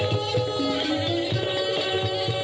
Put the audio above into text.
สวัสดีท่านสาธิชนทุกท่านนะคะ